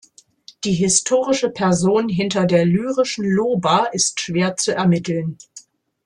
Die historische Person hinter der lyrischen Loba ist schwer zu ermitteln.